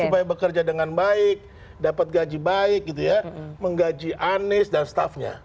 supaya bekerja dengan baik dapat gaji baik gitu ya menggaji anies dan staffnya